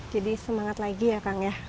jadi semangat lagi ya kang ya